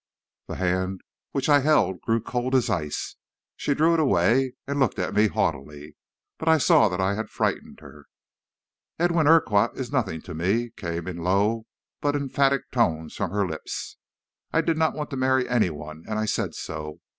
"The hand which I held grew cold as ice. She drew it away and looked at me haughtily, but I saw that I had frightened her. "'Edwin Urquhart is nothing to me,' came in low but emphatic tones from her lips. 'I did not want to marry any one, and I said so.